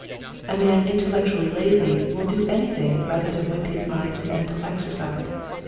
A man intellectually lazy will do anything rather than whip his mind to mental exercise.